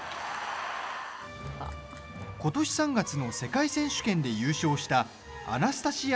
ことし３月の世界選手権で優勝したアナスタシヤ